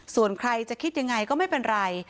ส่วนใครจะคิดยังไงก็ไม่เป็นไร